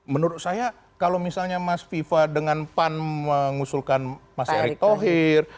menurut saya kalau misalnya mas viva dengan pan mengusulkan mas erick thohir